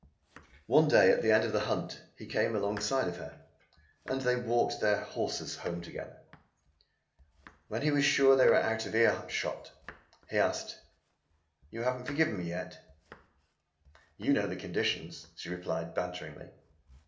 One day at the end of the hunt he came alongside of her and they walked their horses home together. When he was sure that they were out of earshot he asked: "You haven't forgiven me yet?" "You know the conditions," she replied banteringly.